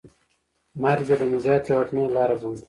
مرګ یې د نجات یوازینۍ لاره بولي.